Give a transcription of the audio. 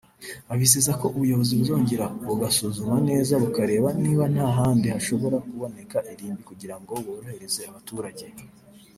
abizeza ko ubuyobozi buzongera bugasuzuma neza bukareba niba nta handi hashobora kuboneka irimbi kugira ngo borohereza abaturage